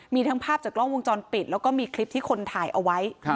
มีทั้งภาพจากกล้องวงจรปิดแล้วก็มีคลิปที่คนถ่ายเอาไว้